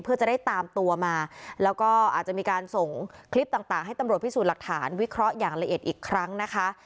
เพื่อจะได้ตามตัวมาแล้วก็อาจจะมีการส่งคลิปต่างให้ตำรวจพิสูจน์หลักฐานวิเคราะห์อย่างละเอียดอีกครั้งนะคะ